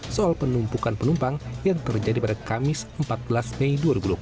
soal penumpukan penumpang yang terjadi pada kamis empat belas mei dua ribu dua puluh